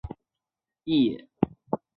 告官无益也。